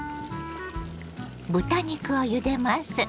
豚肉をゆでます。